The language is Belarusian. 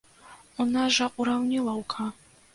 У нас жа ўраўнілаўка.